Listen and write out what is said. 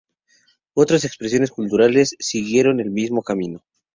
Otras expresiones culturales siguieron el mismo camino.